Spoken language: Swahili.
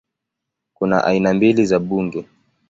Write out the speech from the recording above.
Kuna aina mbili za bunge